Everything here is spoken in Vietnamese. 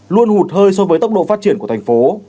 luôn hụt hơi so với tốc độ phát triển của thành phố